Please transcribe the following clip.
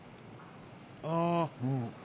ああ。